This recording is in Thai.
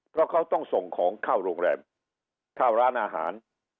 เพราะเขาต้องส่งของเข้าโรงแรมเข้าร้านอาหาร